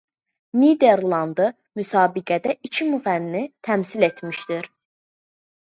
Niderlandı müsabiqədə iki müğənni təmsil etmişdir.